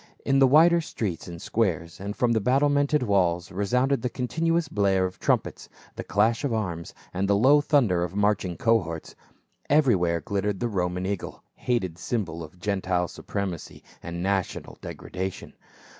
In the wider streets and squares and from the battlemented walls resounded the continuous blare of trumpets, the clash of arms, and the low thunder of marching cohorts. Every where glittered the Roman eagle, hated symbol of Gentile supremacy and national degradation.